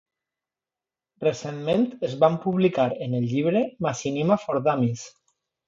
Recentment, es van publicar en el llibre "Machinima For Dummies".